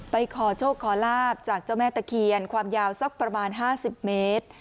ขอโชคขอลาบจากเจ้าแม่ตะเคียนความยาวสักประมาณ๕๐เมตร